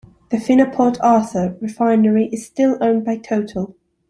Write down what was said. The Fina Port Arthur refinery is still owned by Total.